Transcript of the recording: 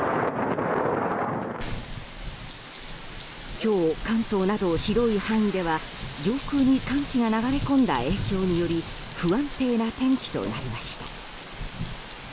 今日、関東など広い範囲では上空に寒気が流れ込んだ影響により不安定な天気となりました。